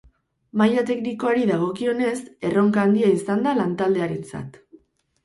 Maila teknikoari dagokionez, erronka handia izan da lantaldearentzat.